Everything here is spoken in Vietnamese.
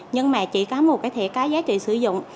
nhưng mà chỉ có một cái thẻ có giá trị sử dụng